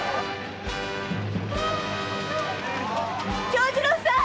長次郎さん！